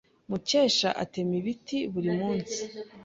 Mukesha atema ibiti buri munsi.